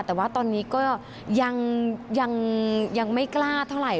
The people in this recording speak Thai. แต่ว่าตอนนี้ก็ยังไม่กล้าเท่าไหร่